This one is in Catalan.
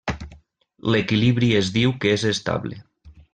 L'equilibri es diu que és estable.